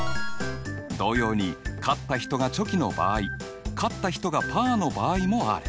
同様に勝った人がチョキの場合勝った人がパーの場合もある。